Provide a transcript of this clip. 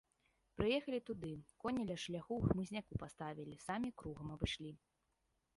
Прыехалі туды, коні ля шляху ў хмызняку паставілі, самі кругам абышлі.